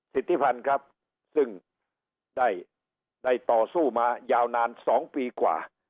สิทธิพันธ์ครับซึ่งได้ต่อสู้มายาวนาน๒ปีกว่า